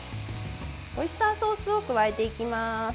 オイスターソースを加えていきます。